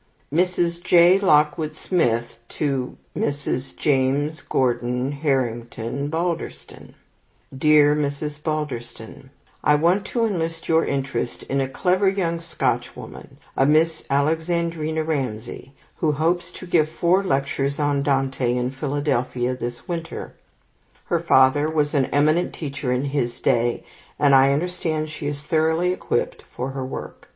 Mrs. J. Lockwood Smith to Mrs. James Gordon Harrington Balderston DEAR MRS. BALDERSTON, I want to enlist your interest in a clever young Scotchwoman, a Miss Alexandrina Ramsay, who hopes to give four lectures on Dante in Philadelphia this winter. Her father was an eminent teacher in his day, and I understand she is thoroughly equipped for her work.